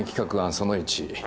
その１。